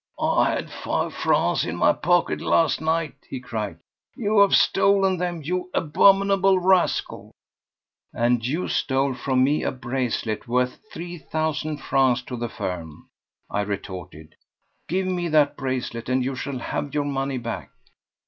"I had five francs in my pocket last night!" he cried. "You have stolen them, you abominable rascal!" "And you stole from me a bracelet worth three thousand francs to the firm," I retorted. "Give me that bracelet and you shall have your money back."